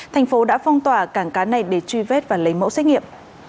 thành phố đã phong tỏa cảng cá này để truy vết và lấy mẫu xét nghiệm